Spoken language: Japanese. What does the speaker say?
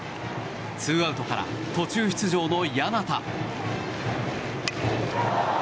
ツーアウトから途中出場の簗田。